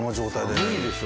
寒いでしょ。